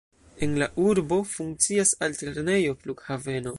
En la urbo funkcias altlernejo, flughaveno.